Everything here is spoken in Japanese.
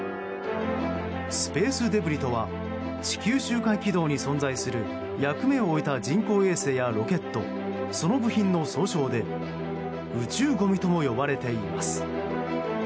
スペースデブリとは地球周回軌道に存在する役目を終えた人工衛星やロケットその部品の総称で宇宙ごみとも呼ばれています。